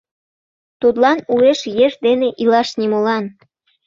— Тудлан уэш еш дене илаш нимолан.